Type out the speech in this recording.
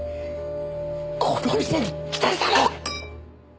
この店に来てるだろ！